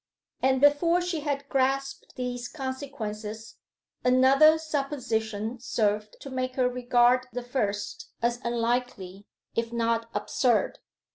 And before she had grasped these consequences, another supposition served to make her regard the first as unlikely, if not absurd.